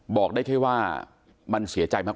บอกได้แค่ว่ามันเสียใจมาก